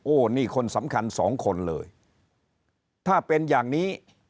นี่คนสำคัญสองคนเลยถ้าเป็นอย่างนี้